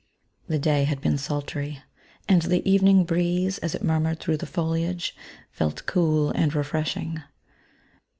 The day had been sultry ; and the evening breeze, as it murmured through the foliage, felt cool and refreshing.